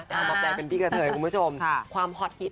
จะเอามาแบบเป็นพี่กับเธอย่างกลุ่มผู้ชมค่ะความ๖๓ฮีต